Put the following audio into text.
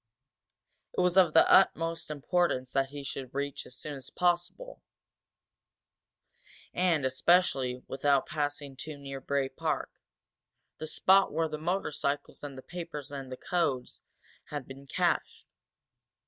It was of the utmost importance that he should reach as soon as possible, and, especially, without passing too near Bray Park, the spot where the motorcycles and the papers and codes had been cached.